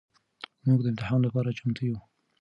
مونږ د امتحان لپاره چمتو يو.